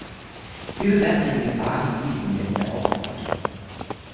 Wie bewerten Sie die Gefahren und Risiken der Wiederaufarbeitung?